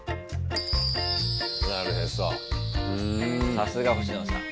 さすが星野さん。